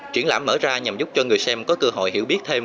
triển lãm mở ra nhằm giúp cho người xem có cơ hội hiểu biết thêm